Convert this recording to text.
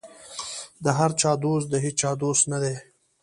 د هر چا دوست د هېچا دوست نه دی.